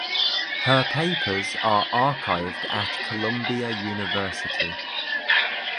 Her papers are archived at Columbia University.